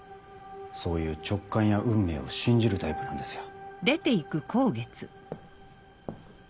そういう直感や運命を信じるタイプなんですよ。